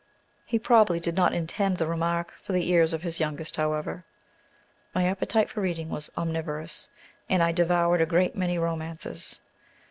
He probably did not intend the remark for the ears of his youngest, however. My appetite for reading was omnivorous, and I devoured a great many romances.